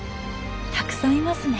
たくさんいますね。